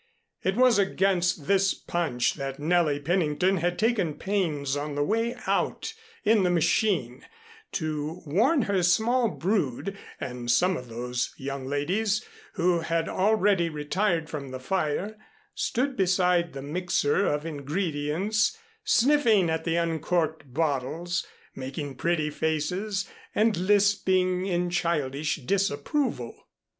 It was against this punch that Nellie Pennington had taken pains on the way out in the machine, to warn her small brood; and some of those young ladies who had already retired from the fire, stood beside the mixer of ingredients, sniffing at the uncorked bottles, making pretty faces and lisping in childish disapproval.